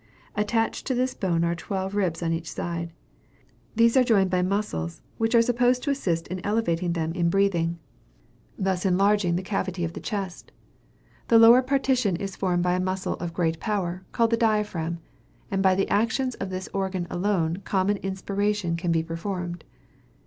Attached to this bone are twelve ribs on each side. These are joined by muscles which are supposed to assist in elevating them in breathing, thus enlarging the cavity of the chest. The lower partition is formed by a muscle of great power, called the diaphragm, and by the action of this organ alone common inspiration can be performed.